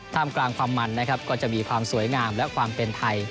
กลางความมันนะครับก็จะมีความสวยงามและความเป็นไทย